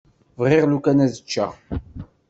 Bɣiɣ lukan ad ččeɣ.